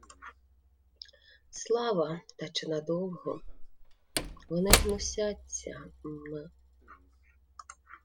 — Слава, та чи надовго? Вони гнусяться мм...